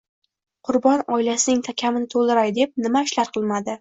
Qurbon oilasining kamini to`ldiray deb nima ishlar qilmadi